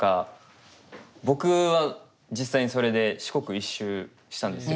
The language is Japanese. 僕は実際にそれで四国一周したんですよ